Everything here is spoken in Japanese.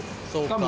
そう。